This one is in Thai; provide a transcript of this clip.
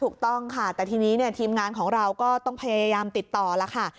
ถูกต้องค่ะแต่ทีนี้ทีมงานของเราก็ต้องพยายามติดต่อแล้วค่ะ